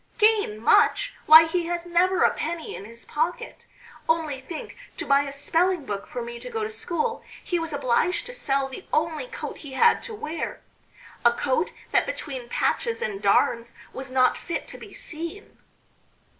"Gain much? Why, he has never a penny in his pocket. Only think, to buy a spelling book for me to go to school, he was obliged to sell the only coat he had to wear a coat that between patches and darns was not fit to be seen."